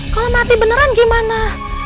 kalau mati beneran gimana